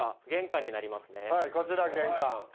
はいこちら玄関。